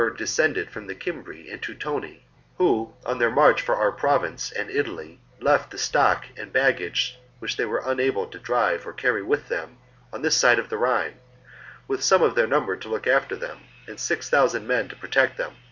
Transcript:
descended from the Cimbri and Teutoni, who, on their march for our Province and Italy, left the stock and baggage which they were unable to drive or carry with them, on this side of the Rhine, with some of their number to look after them and six thousand men to protect them.